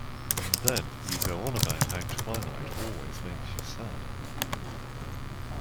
And then you go on about how twilight always makes you sad.